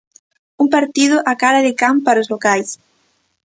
Un partido a cara de can para os locais.